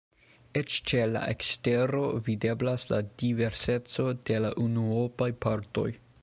Eĉ ĉe la ekstero videblas la diverseco de la unuopaj partoj.